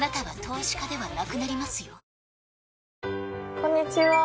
こんにちはー。